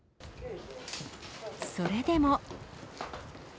それでも。